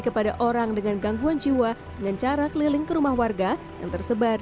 kepada orang dengan gangguan jiwa dengan cara keliling ke rumah warga yang tersebar